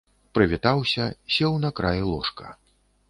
Прывітаўся, сеў на край ложка.